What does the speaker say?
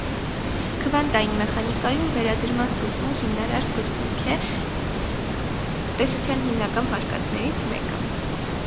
Քվանտային մեխանիկայում վերադրման սկզբունք հիմնարար սկզբունք է, տեսության հիմնական վարկածներից մեկը։